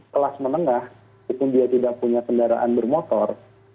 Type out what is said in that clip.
kelas menengah walaupun dia tidak punya kendaraan bermotor